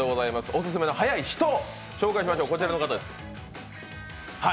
オススメのはやい人、紹介しましょう、こちらの方です。